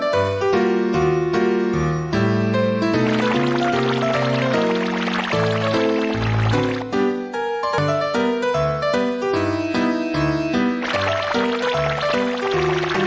โปรดติดตามตอนต่อไป